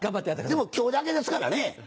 でも今日だけですからね。